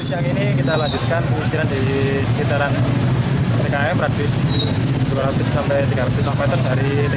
sejak ini kita lanjutkan penyisiran di sekitaran tkm radius dua ratus sampai tiga ratus meter dari tkm